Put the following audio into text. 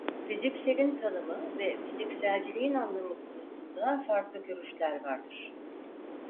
Fizikselin tanımı ve fizikselciliğin anlamı konusunda farklı görüşler vardır.